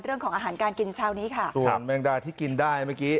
เรื่องของอาหารการกินเช้านี้ค่ะส่วนแมงดาที่กินได้เมื่อกี้